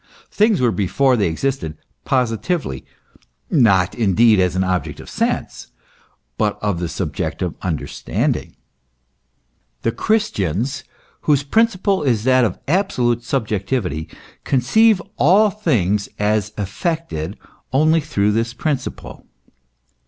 Things were, before they existed posi tively, not, indeed, as an object of sense, but of the subjective understanding. The Christians, whose principle is that of absolute subjectivity, conceive all things as effected only through this principle.